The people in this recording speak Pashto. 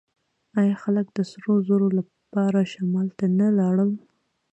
آیا خلک د سرو زرو لپاره شمال ته نه لاړل؟